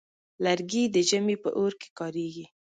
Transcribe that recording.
لرګی د ژمي په اور کې کارېږي.